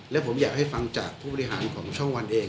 และผมอยากให้ฟังจากผู้บริหารของช่องวันเอง